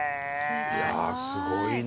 いやすごいな。